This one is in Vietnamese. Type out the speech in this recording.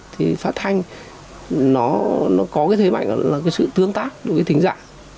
thì phát thanh nó có cái thế mạnh là cái sự tương tác đối với tính giả